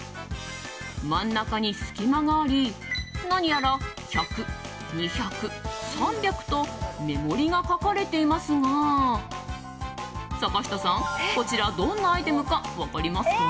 真ん中に隙間があり何やら１００、２００３００と目盛りが書かれていますが坂下さん、こちらどんなアイテムか分かりますか？